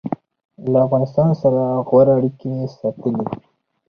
له افغانستان سره غوره اړیکې ساتلي